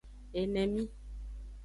Enemi.